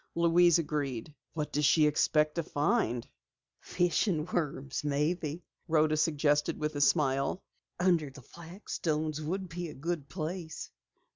Louise agreed. "What does she expect to find?" "Fishing worms, perhaps," Rhoda suggested with a smile. "Under the flagstones would be a good place."